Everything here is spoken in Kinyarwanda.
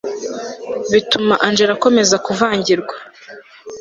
bituma angella akomeza kuvangirwa